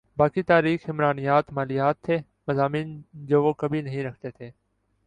باقی تاریخ عمرانیات مالیات تھے مضامین جو وہ کبھی نہیں رکھتے تھے